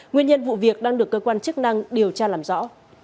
nguyên nhân vụ việc đang được cơ quan chức năng điều tra làm rõ